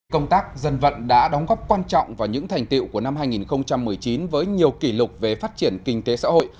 công tác dân vận đã đóng góp quan trọng vào những thành tiệu của năm hai nghìn một mươi chín với nhiều kỷ lục về phát triển kinh tế xã hội